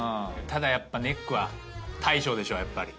ただやっぱネックは大将でしょやっぱり。